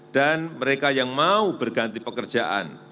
dan mereka yang mau berganti pekerjaan